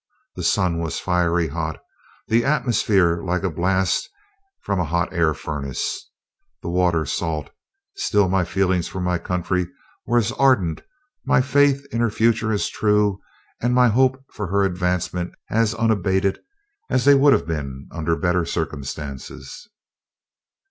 The sun was fiery hot, the atmosphere like a blast from a hot air furnace, the water salt, still my feelings for my country were as ardent, my faith in her future as true, and my hope for her advancement as unabated, as they would have been under better circumstances."